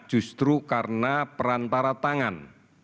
justru karena perantara tangan